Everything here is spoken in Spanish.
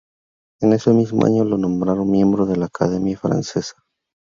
En ese mismo año lo nombraron miembro de la Academia Francesa.